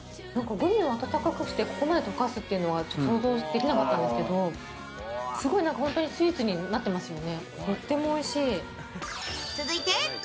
グミを温かくしてここまで溶かすというのが想像できなかったんですけど、すごい本当にスイーツになってますよね。